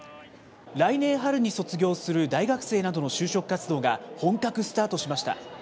来年春に卒業する大学生などの就職活動が本格スタートしました。